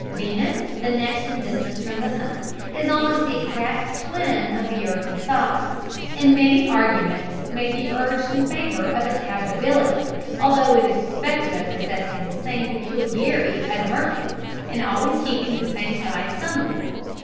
Venus, the next in distance from the sun, is almost the exact twin of the earth in size, and many arguments may be urged in favor of its habitability, although it is suspected of possessing the same peculiarity as Mercury, in always keeping the same side sunward.